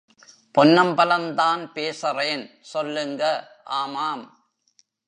பொன்னம்பலம்தான் பேசறேன் சொல்லுங்க. ஆமாம்.